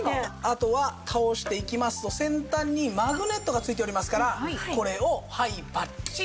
あとは倒していきますと先端にマグネットが付いておりますからこれをはいパッチン。